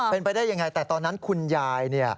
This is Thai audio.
เป็นไปได้อย่างไรแต่ตอนนั้นคุณยาย